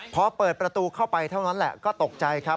พอเปิดประตูเข้าไปเท่านั้นแหละก็ตกใจครับ